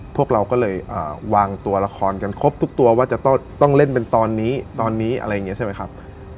พวกเราก็เลยวางตัวละครกันครบทุกตัวว่าจะต้องเล่นเป็นตอนนี้ตอนนี้อะไรอย่างนี้ใช่ไหมครับ